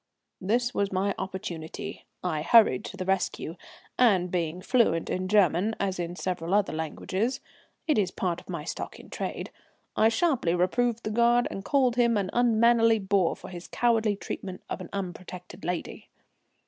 This was my opportunity. I hurried to the rescue, and, being fluent in German as in several other languages it is part of my stock in trade I sharply reproved the guard and called him an unmannerly boor for his cowardly treatment of an unprotected lady.